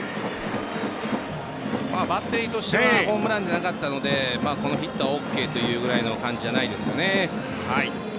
バッテリーとしてはホームランじゃなかったのでこのヒットはＯＫというくらいの感じじゃないですかね。